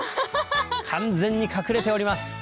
完全に隠れております。